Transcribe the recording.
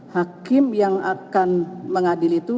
hakim yang akan mengadil itu